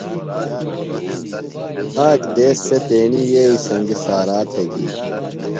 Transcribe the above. آک دیس سےۡ تیݨیۡیئیئۡی سنگیۡ سارا تھےۡ گی۔